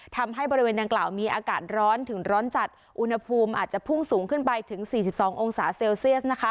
ทำให้บริเวณดังกล่าวมีอากาศร้อนถึงร้อนจัดอุณหภูมิอาจจะพุ่งสูงขึ้นไปถึง๔๒องศาเซลเซียส